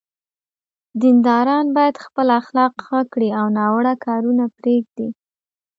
دینداران باید خپل اخلاق ښه کړي او ناوړه کارونه پرېږدي.